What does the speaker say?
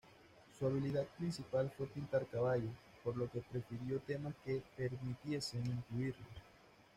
Su habilidad principal fue pintar caballos, por lo que prefirió temas que permitiesen incluirlos.